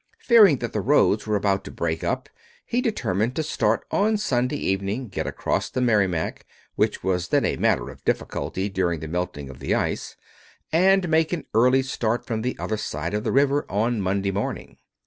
Fearing that the roads were about to break up, he determined to start on Sunday evening, get across the Merrimac, which was then a matter of difficulty during the melting of the ice, and make an early start from the other side of the river on Monday morning.